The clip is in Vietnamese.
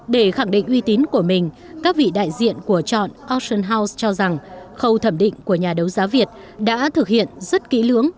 để khẳng định uy tín của mình các vị đại diện của chọn ocean house cho rằng khâu thẩm định của nhà đấu giá việt đã thực hiện rất kỹ lưỡng